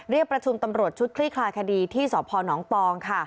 เรียกประชุมตำรวจชุดคลี่คลายคดีที่สพนปอง